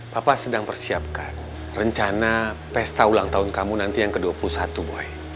bapak sedang persiapkan rencana pesta ulang tahun kamu nanti yang ke dua puluh satu buai